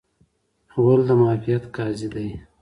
غول د معافیت قاضي دی.